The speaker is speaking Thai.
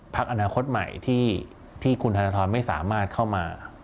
พักอนาคตใหม่ที่คุณธนทรไม่สามารถเข้ามา